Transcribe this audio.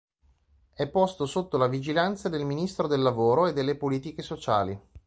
È posto sotto la vigilanza del Ministro del Lavoro e delle Politiche sociali.